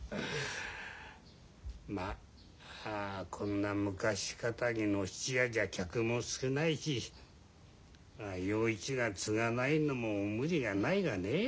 まこんな昔かたぎの質屋じゃ客も少ないし洋一が継がないのも無理はないがね。